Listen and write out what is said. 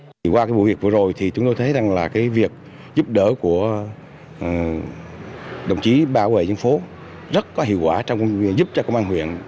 thì qua cái vụ việc vừa rồi thì chúng tôi thấy rằng là cái việc giúp đỡ của đồng chí bảo vệ dân phố rất có hiệu quả trong giúp cho công an huyện